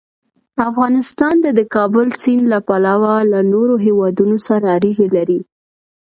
افغانستان د د کابل سیند له پلوه له نورو هېوادونو سره اړیکې لري.